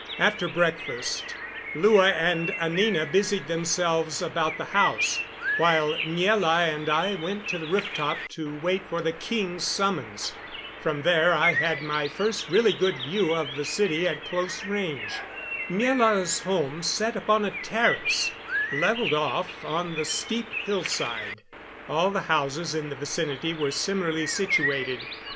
After breakfast Lua and Anina busied themselves about the house, while Miela and I went to the rooftop to wait for the king's summons. From here I had my first really good view of the city at close range. Miela's home sat upon a terrace, leveled off on the steep hillside; all the houses in the vicinity were similarly situated.